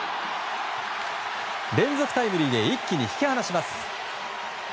連続タイムリーで一気に引き離します。